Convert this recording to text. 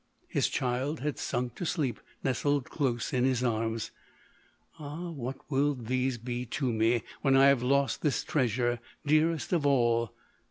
— his child had sunk to sleep, nestled close in his arms ;" Ah ! what will these be to me, when I have lost this trea sure, dearest of all